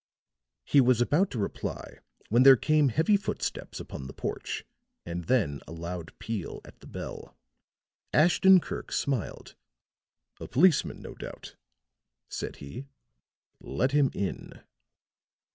He was about to reply when there came heavy footsteps upon the porch and then a loud peal at the bell. Ashton Kirk smiled. "A policeman, no doubt," said he. "Let him in."